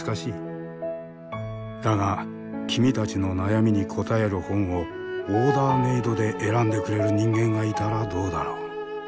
だが君たちの悩みに答える本をオーダーメードで選んでくれる人間がいたらどうだろう？